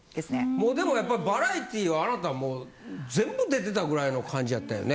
もうでもやっぱりバラエティーはあなたもう全部出てたぐらいの感じやったよね。